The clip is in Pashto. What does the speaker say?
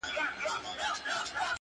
چي روږدي سوی له کوم وخته په گيلاس يمه؛